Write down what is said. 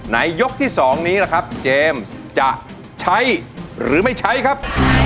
ยกที่๒นี้ล่ะครับเจมส์จะใช้หรือไม่ใช้ครับ